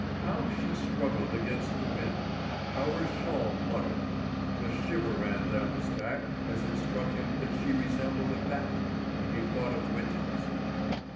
How she struggled against the wind! How her shawl fluttered! A shiver ran down his back as it struck him that she resembled a bat, and he thought of witches.